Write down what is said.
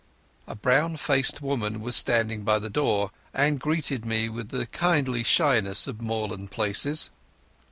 A brown faced woman was standing by the door, and greeted me with the kindly shyness of moorland places.